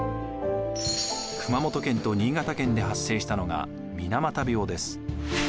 熊本県と新潟県で発生したのが水俣病です。